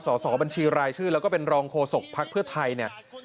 สรบัญชีรายชื่อและเป็นรองโฆษกภาคเพื่อไทย